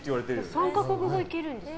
３か国語いけるんですよ。